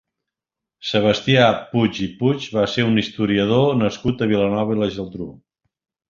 Sebastià Puig i Puig va ser un historiador nascut a Vilanova i la Geltrú.